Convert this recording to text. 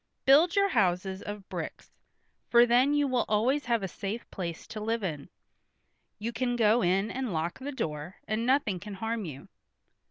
Build your houses of bricks, for then you will always have a safe place to live in; you can go in and lock the door, and nothing can harm you."